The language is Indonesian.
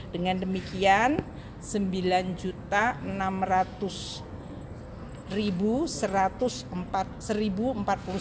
dengan demikian sembilan enam ratus satu ratus empat puluh satu orang sudah menyampaikan spt nya sampai dengan tanggal dua puluh satu maret